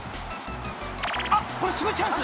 ［あっこれすごいチャンス！